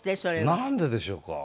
なんででしょうか？